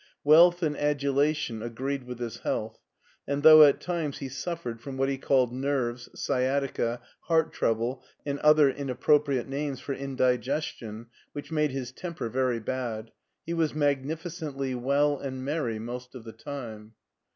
Wealth and adulation agreed with his health, and though at times he suf fered from what he called nerves, sciatica, heart trouble, and other inappropriate names for indiges tion, which made his temper very bad, he was magni ficently well and merry most of the time.